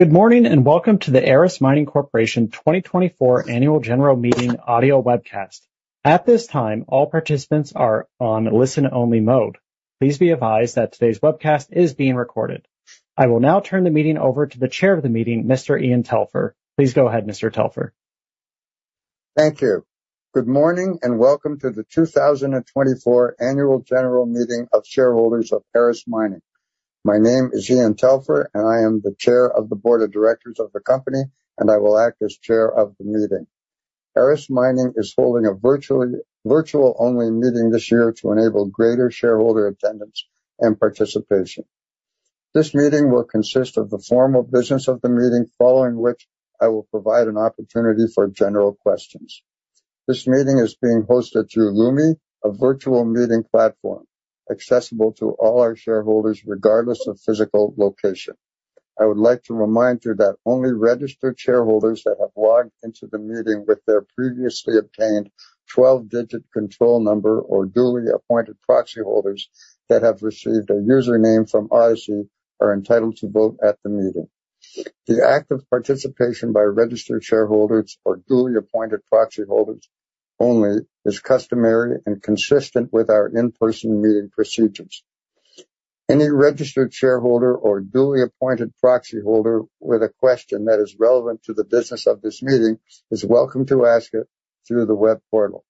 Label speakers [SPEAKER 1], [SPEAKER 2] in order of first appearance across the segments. [SPEAKER 1] Good morning, and welcome to the Aris Mining Corporation 2024 Annual General Meeting audio webcast. At this time, all participants are on listen-only mode. Please be advised that today's webcast is being recorded. I will now turn the meeting over to the chair of the meeting, Mr. Ian Telfer. Please go ahead, Mr. Telfer.
[SPEAKER 2] Thank you. Good morning, and welcome to the 2024 Annual General Meeting of Shareholders of Aris Mining. My name is Ian Telfer, and I am the Chair of the Board of Directors of the company, and I will act as Chair of the meeting. Aris Mining is holding a virtual-only meeting this year to enable greater shareholder attendance and participation. This meeting will consist of the formal business of the meeting, following which I will provide an opportunity for general questions. This meeting is being hosted through Lumi, a virtual meeting platform accessible to all our shareholders, regardless of physical location. I would like to remind you that only registered shareholders that have logged into the meeting with their previously obtained 12-digit control number or duly appointed proxy holders that have received a username from Odyssey are entitled to vote at the meeting. The act of participation by registered shareholders or duly appointed proxy holders only is customary and consistent with our in-person meeting procedures. Any registered shareholder or duly appointed proxy holder with a question that is relevant to the business of this meeting is welcome to ask it through the web portal.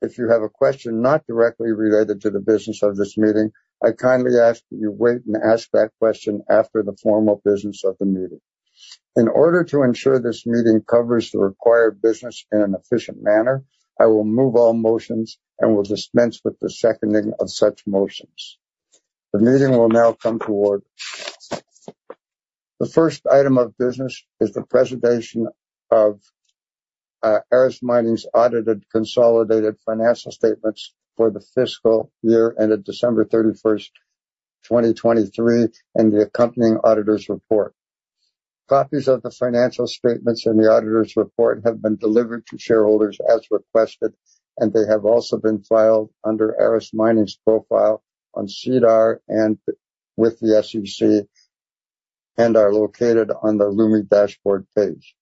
[SPEAKER 2] If you have a question not directly related to the business of this meeting, I kindly ask that you wait and ask that question after the formal business of the meeting. In order to ensure this meeting covers the required business in an efficient manner, I will move all motions and will dispense with the seconding of such motions. The meeting will now come to order. The first item of business is the presentation of Aris Mining's audited consolidated financial statements for the fiscal year ended December 31, 2023, and the accompanying auditor's report. Copies of the financial statements and the auditor's report have been delivered to shareholders as requested, and they have also been filed under Aris Mining's profile on SEDAR and with the SEC, and are located on the Lumi dashboard page.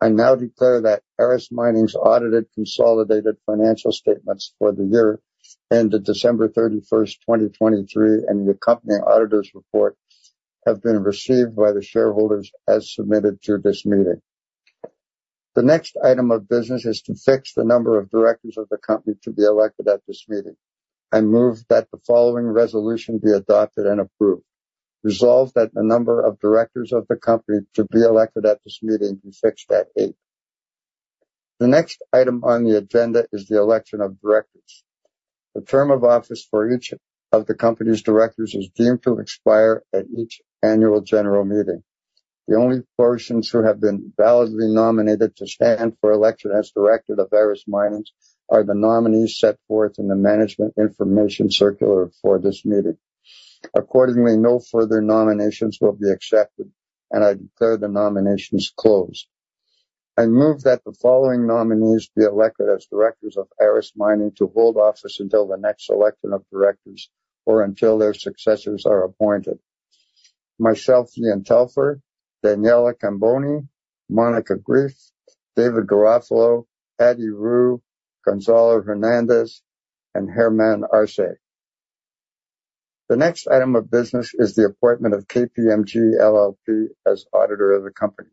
[SPEAKER 2] I now declare that Aris Mining's audited consolidated financial statements for the year ended December 31, 2023, and the accompanying auditor's report have been received by the shareholders as submitted to this meeting. The next item of business is to fix the number of directors of the company to be elected at this meeting. I move that the following resolution be adopted and approved: Resolved that the number of directors of the company to be elected at this meeting be fixed at 8. The next item on the agenda is the election of directors. The term of office for each of the company's directors is deemed to expire at each Annual General Meeting. The only persons who have been validly nominated to stand for election as director of Aris Mining are the nominees set forth in the Management Information Circular for this meeting. Accordingly, no further nominations will be accepted, and I declare the nominations closed. I move that the following nominees be elected as directors of Aris Mining to hold office until the next election of directors or until their successors are appointed. Myself, Ian Telfer, Daniela Cambone, Mónica de Greiff, David Garofalo, Attie Roux, Gonzalo Hernández, and Germán Arce. The next item of business is the appointment of KPMG LLP as auditor of the company.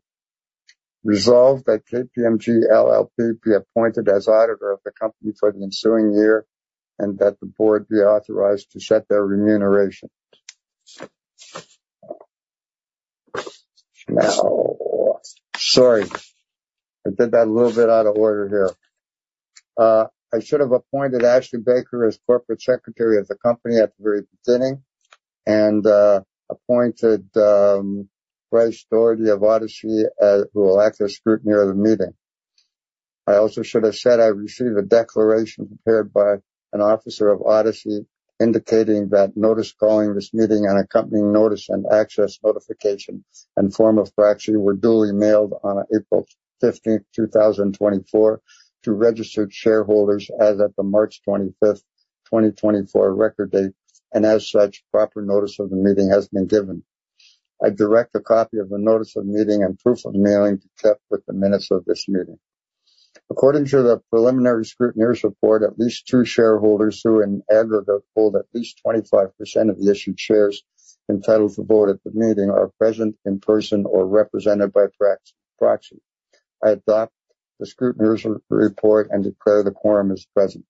[SPEAKER 2] Resolved that KPMG LLP be appointed as auditor of the company for the ensuing year and that the board be authorized to set their remuneration. Now... Sorry, I did that a little bit out of order here. I should have appointed Ashley Baker as Corporate Secretary of the company at the very beginning and appointed Grace Doherty of Odyssey, who will act as scrutineer of the meeting. I also should have said I received a declaration prepared by an officer of Odyssey, indicating that notice calling this meeting and accompanying notice and access notification and form of proxy were duly mailed on April 15, 2024, to registered shareholders as of the March 25, 2024 record date, and as such, proper notice of the meeting has been given. I direct a copy of the notice of meeting and proof of mailing to be kept with the minutes of this meeting. According to the preliminary scrutineer's report, at least two shareholders, who in aggregate hold at least 25% of the issued shares entitled to vote at the meeting, are present in person or represented by proxy. I adopt the scrutineer's report and declare the quorum is present.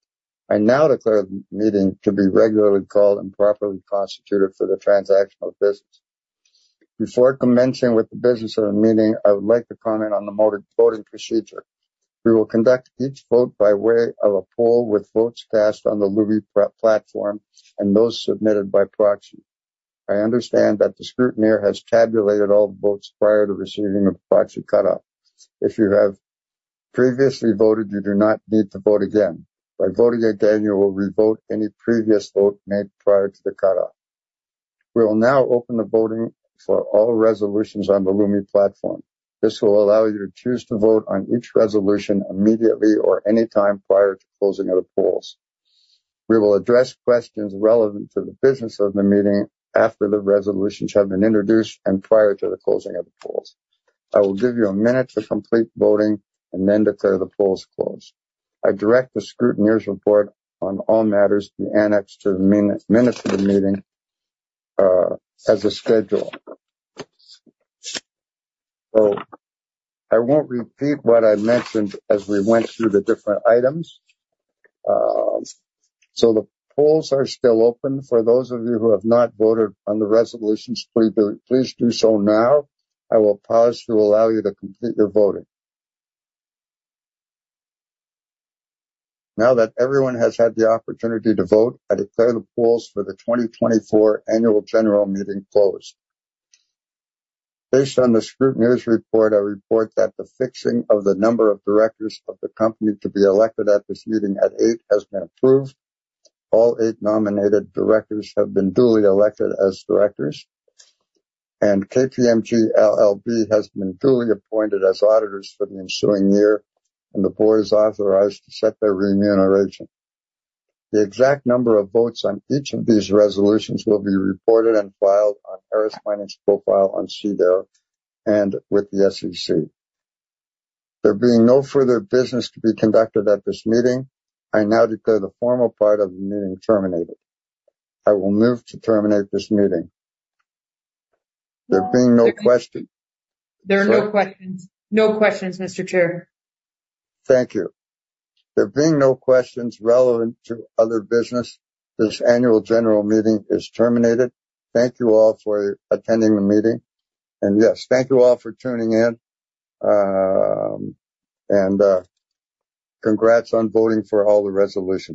[SPEAKER 2] I now declare the meeting to be regularly called and properly constituted for the transaction of business. Before commencing with the business of the meeting, I would like to comment on the voting procedure. We will conduct each vote by way of a poll, with votes cast on the Lumi platform and those submitted by proxy. I understand that the scrutineer has tabulated all the votes prior to receiving a proxy cutoff. If you have previously voted, you do not need to vote again. By voting again, you will revote any previous vote made prior to the cutoff. We will now open the voting for all resolutions on the Lumi platform. This will allow you to choose to vote on each resolution immediately or anytime prior to closing of the polls. We will address questions relevant to the business of the meeting after the resolutions have been introduced and prior to the closing of the polls. I will give you a minute to complete voting and then declare the polls closed. I direct the scrutineer's report on all matters be annexed to the minutes of the meeting, as a schedule. So I won't repeat what I mentioned as we went through the different items. So the polls are still open. For those of you who have not voted on the resolutions, please do, please do so now. I will pause to allow you to complete your voting. Now that everyone has had the opportunity to vote, I declare the polls for the 2024 annual general meeting closed. Based on the scrutineer's report, I report that the fixing of the number of directors of the company to be elected at this meeting at eight has been approved. All eight nominated directors have been duly elected as directors, and KPMG LLP has been duly appointed as auditors for the ensuing year, and the board is authorized to set their remuneration. The exact number of votes on each of these resolutions will be reported and filed on Aris Mining's profile on SEDAR and with the SEC. There being no further business to be conducted at this meeting, I now declare the formal part of the meeting terminated. I will move to terminate this meeting. There being no question-
[SPEAKER 1] There are no questions. No questions, Mr. Chair.
[SPEAKER 2] Thank you. There being no questions relevant to other business, this Annual General Meeting is terminated. Thank you all for attending the meeting, and yes, thank you all for tuning in. Congrats on voting for all the resolutions.